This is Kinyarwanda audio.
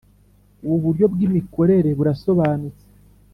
Ubu buryo bw’imikorere burasobanutse